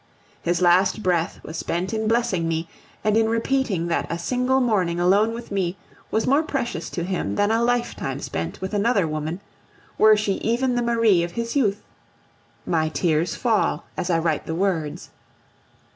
His last breath was spent in blessing me and in repeating that a single morning alone with me was more precious to him than a lifetime spent with another woman, were she even the Marie of his youth. My tears fall as I write the words.